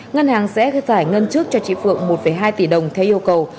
ngân hàng sẽ giải ngân trước cho chị phượng một hai tỷ đồng theo yêu cầu